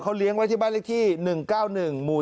เลี้ยงไว้ที่บ้านเลขที่๑๙๑หมู่๔